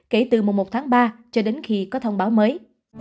kể từ mùa một tháng ba cho đến khi có thông báo mới